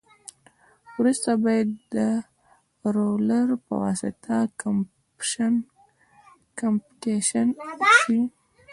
وروسته باید د رولر په واسطه کمپکشن شي